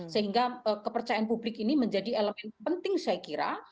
sehingga kepercayaan publik ini menjadi elemen penting saya kira